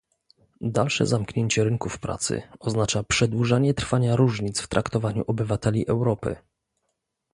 Dalsze zamknięcie rynków pracy oznacza przedłużanie trwania różnic w traktowaniu obywateli Europy